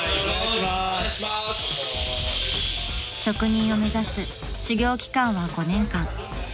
［職人を目指す修業期間は５年間］